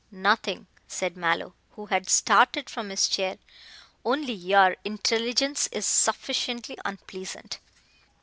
"Nothing," said Mallow, who had started from his chair, "only your intelligence is sufficiently unpleasant."